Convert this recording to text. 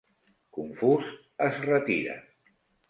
confús es retira.